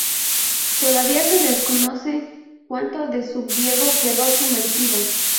Todavía se desconoce cuánto de Sub Diego quedó sumergido.